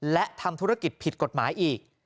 และทำธุรกิจผิดกฎหมายอีก